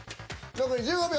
残り１５秒！